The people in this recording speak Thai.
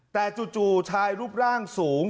แต่จู่ชายรูปร่างสูง